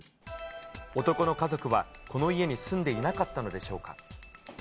男の家族は、この家に住んでいなかったのでしょうか。